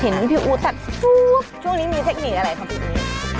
เห็นพี่อู๋ตัดฟู๊ดช่วงนี้มีเทคนิคอะไรครับพี่อี